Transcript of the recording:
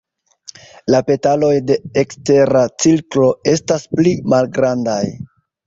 La petaloj de ekstera cirklo estas pli malgrandaj.